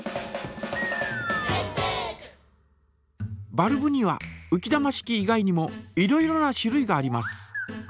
バルブにはうき玉式以外にもいろいろな種類があります。